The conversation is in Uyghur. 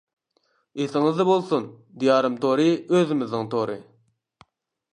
ئېسىڭىزدە بولسۇن، دىيارىم تورى ئۆزىمىزنىڭ تورى.